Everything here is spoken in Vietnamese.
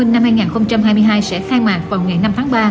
năm hai nghìn hai mươi hai sẽ khai mạc vào ngày năm tháng ba